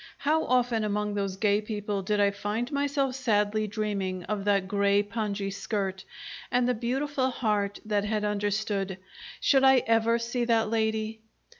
How often among those gay people did I find myself sadly dreaming of that grey pongee skirt and the beautiful heart that had understood! Should I ever see that lady?